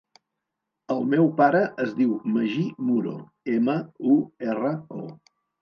El meu pare es diu Magí Muro: ema, u, erra, o.